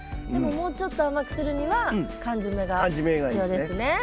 でももうちょっと甘くするには寒締めが必要ですね。